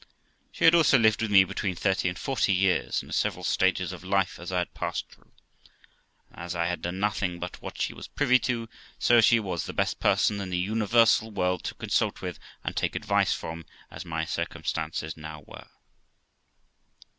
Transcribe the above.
She had also lived with me between thirty and forty years, in the several stages of life as I had passed through; and as I had done nothing but what she was privy to, so she was the best person in the universal world to consult with and take advice from, as my circumstances now were.